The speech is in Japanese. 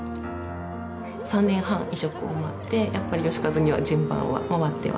３年半移植を待ってやっぱり芳和には順番は回ってはきませんでした。